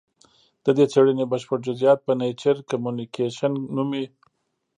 د دې څېړنې بشپړ جزیات په نېچر کمونیکشن نومې